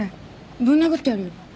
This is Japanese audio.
ぶん殴ってやるよ。